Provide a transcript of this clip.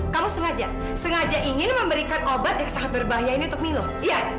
kamu sengaja ingin memberikan obat yang sangat berbahaya ini untuk minum iya